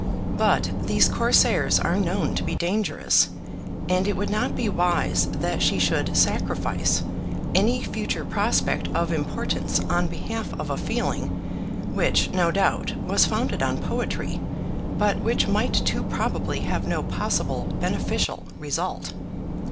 But these Corsairs are known to be dangerous, and it would not be wise that she should sacrifice any future prospect of importance on behalf of a feeling, which, no doubt, was founded on poetry, but which might too probably have no possible beneficial result.